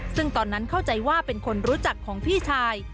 ซึ่งตอนนั้นเข้าใจว่าเป็นคนรู้จักของพี่ชาย